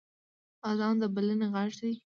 اذان د بلنې غږ دی